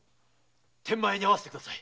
天満屋に会わせてください。